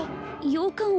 ようかん